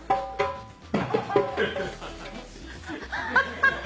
ハハハ！